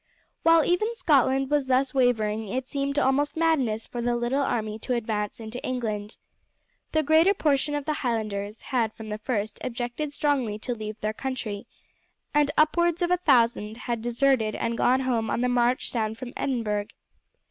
While even Scotland was thus wavering it seemed almost madness for the little army to advance into England. The greater portion of the Highlanders had from the first objected strongly to leave their country, and upwards of a thousand had deserted and gone home on the march down from Edinburgh.